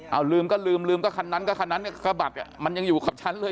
เอาลืมก็ลืมลืมก็คันนั้นก็คันนั้นบัตรมันยังอยู่ขับชั้นเลย